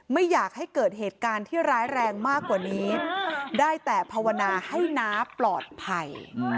ไม่อยากให้เกิดเหตุการณ์ที่ร้ายแรงมากกว่านี้ได้แต่ภาวนาให้น้าปลอดภัย